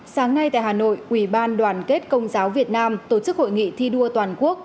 sáng nay tại hà nội ủy ban đoàn kết công giáo việt nam tổ chức hội nghị thi đua toàn quốc